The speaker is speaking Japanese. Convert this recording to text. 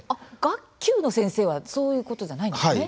学級の先生はそういうことじゃないんですね。